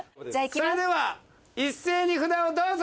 それでは一斉に札をどうぞ！